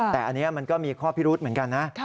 แต่อันนี้มันก็มีข้อพิรุธเหมือนกันนะ